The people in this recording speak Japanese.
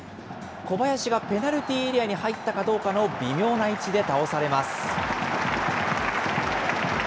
小林がペナルティーエリアに入ったかどうかの微妙な位置で倒されます。